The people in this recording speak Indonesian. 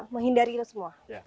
menghindari itu semua